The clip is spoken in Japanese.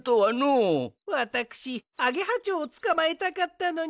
わたくしアゲハちょうをつかまえたかったのに。